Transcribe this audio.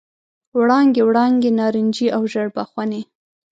وړانګې، وړانګې نارنجي او ژړ بخونې،